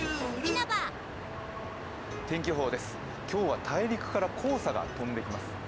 今日は大陸から黄砂が飛んできます。